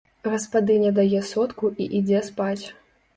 Гаспадыня дае сотку і ідзе спаць.